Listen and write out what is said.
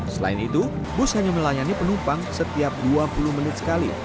selain itu bus hanya melayani penumpang setiap dua puluh menit sekali